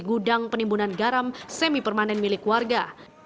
gudang penimbunan garam semi permanen milik warga